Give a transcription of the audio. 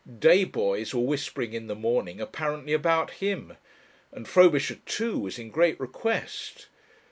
Day boys were whispering in the morning apparently about him, and Frobisher ii. was in great request.